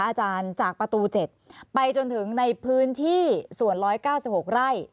อาจารย์จากประตู๗ไปจนถึงในพื้นที่ส่วน๑๙๖ไร่